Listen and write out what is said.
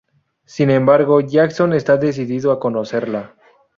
Sin embargo, Jackson está decidido a conocerla.